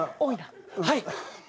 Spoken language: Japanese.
はい。